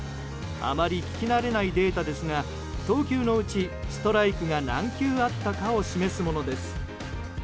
あまり聞き慣れないデータですが投球のうちストライクが何球あったかを示すものです。